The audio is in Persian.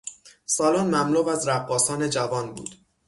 سالن مملو از رقاصان جوان بود.